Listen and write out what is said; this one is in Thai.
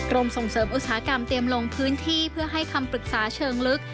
ส่งเสริมอุตสาหกรรมเตรียมลงพื้นที่เพื่อให้คำปรึกษาเชิงลึก